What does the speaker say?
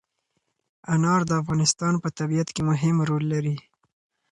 انار د افغانستان په طبیعت کې مهم رول لري.